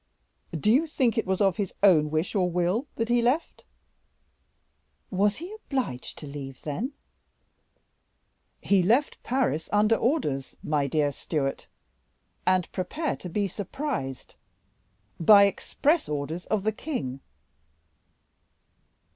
"Do you think it was of his own wish or will that he left?" "Was he obliged to leave, then?" "He left Paris under orders, my dear Stewart; and prepare to be surprised by express orders of the king."